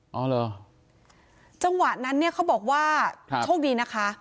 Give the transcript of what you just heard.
อ๋อเหรอจังหวะนั้นเนี่ยเขาบอกว่าโชคดีนะคะ